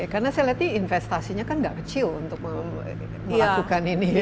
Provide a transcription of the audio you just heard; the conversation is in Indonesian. karena saya lihat investasinya kan tidak kecil untuk melakukan ini